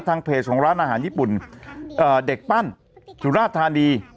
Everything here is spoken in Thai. ทางเพจของร้านอาหารญี่ปุ่นเอ่อเด็กปั้นจุดราดทานี